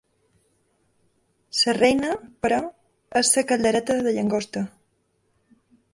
Sa reina, però, és sa caldereta de llagosta!